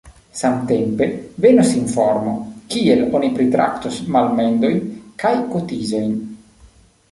Samtempe venos informo, kiel oni pritraktos malmendojn kaj kotizojn.